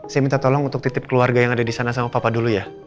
saya minta tolong untuk titip keluarga yang ada di sana sama papa dulu ya